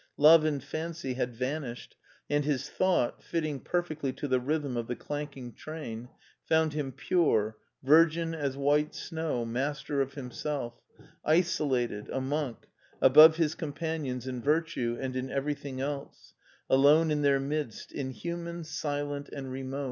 Love and fancy had vanished, and his thought, fitting perfectly to the rhythm of the clanking train, found him pure, virgin as white snow, master of himself, isolated, a monk, above his companions in virtue and in everything else, alone in their midst, inhuman, silent, and remote.